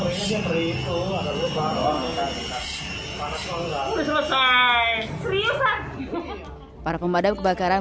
para pemadam kebakaran belajar tentang berbagai jenis penyelamatan